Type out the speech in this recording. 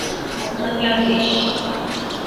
بنگلہ دیش